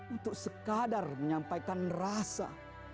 untuk sekadar menyampaikan rasa